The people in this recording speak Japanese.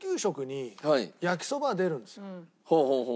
ほうほうほうほう。